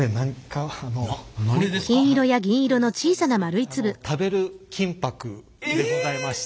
実はですね食べる金箔でございまして。